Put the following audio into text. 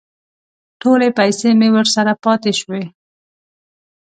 ټولې پیسې مې ورسره پاتې شوې.